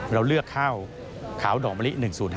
เราเลือกข้าวขาวดอกมะลิ๑๐๕